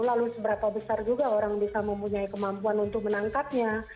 lalu seberapa besar juga orang bisa mempunyai kemampuan untuk menangkapnya